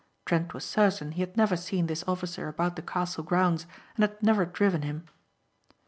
Trent was certain he had never seen this officer about the castle grounds and had never driven him.